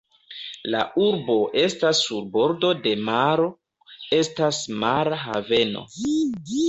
La urbo estas sur bordo de maro, estas mara haveno.